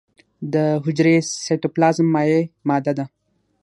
د حجرې سایتوپلازم مایع ماده ده